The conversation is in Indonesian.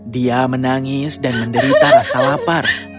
dia menangis dan menderita rasa lapar